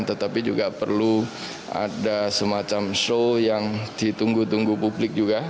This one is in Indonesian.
tetapi juga perlu ada semacam show yang ditunggu tunggu publik juga